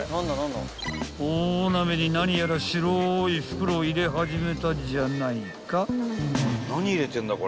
［大鍋に何やら白い袋を入れ始めたじゃないか］